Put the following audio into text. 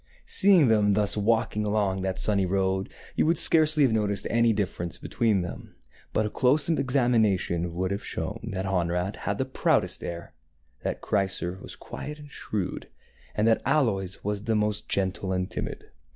Seeing them thus walking along that sunny road, you would scarcely have noticed any difference between them ; but a close examination would have shown that Honorat had the proudest air, that Chrysor was quiet and shrewd, and that Aloys was the most gentle and timid.